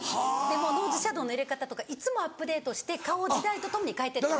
ノーズシャドーの入れ方とかいつもアップデートして顔を時代とともに変えてってます。